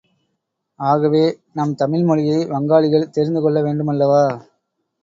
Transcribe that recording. ஆகவே நம் தமிழ் மொழியை வங்காளிகள் தெரிந்து கொள்ள வேண்டுமல்லவா?